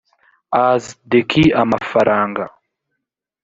as the keyy amafaranga